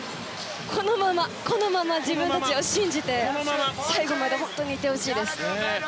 このまま自分たちを信じて最後まで行ってほしいです。